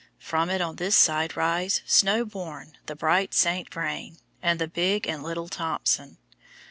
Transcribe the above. From it on this side rise, snow born, the bright St. Vrain, and the Big and Little Thompson.